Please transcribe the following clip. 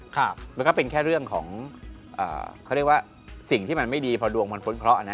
มันก็เป็นแค่เรื่องของเขาเรียกว่าสิ่งที่มันไม่ดีพอดวงมันพ้นเคราะห์นะ